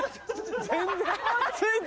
全然。